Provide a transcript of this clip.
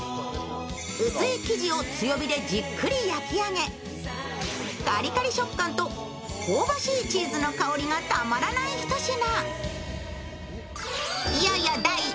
薄い生地を強火でじっくり焼き上げカリカリ食感と香ばしいチーズの香りがたまらないひと品。